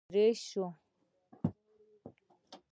اوته اېره شې!